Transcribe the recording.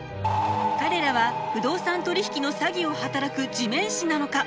彼らは不動産取引の詐欺を働く地面師なのか？